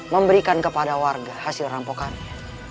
memberikan kepada warga hasil rampokannya